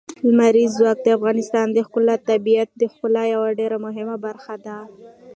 لمریز ځواک د افغانستان د ښکلي طبیعت د ښکلا یوه ډېره مهمه برخه ده.